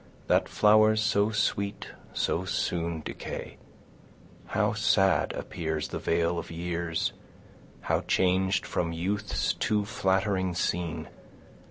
That flowers so sweet so soon decay! How sad appears The vale of years, How changed from youth's too flattering scene!